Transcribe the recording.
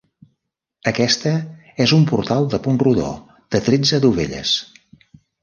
Aquesta és un portal de punt rodó, de tretze dovelles.